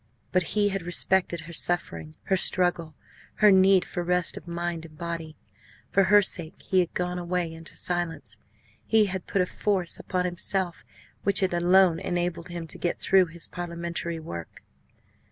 But he had respected her suffering, her struggle, her need for rest of mind and body. For her sake he had gone away into silence; he had put a force upon himself which had alone enabled him to get through his parliamentary work.